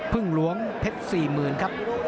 พึ่งหลวงเพชร๔๐๐๐ครับ